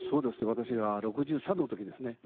私が６３の時ですね。